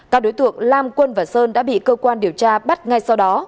các đối tượng lam quân và sơn đã bị cơ quan điều tra bắt ngay sau đó